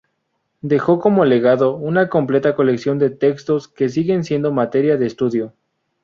Dejó como legado una completa colección de textos que siguen siendo materia de estudio.